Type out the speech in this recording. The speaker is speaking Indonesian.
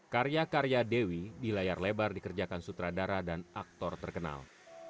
karya karya dewi di layar lebar dikerjakan sutradara dan aktor terkenal